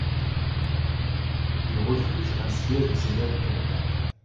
Il refuse un siège au Sénat du Canada.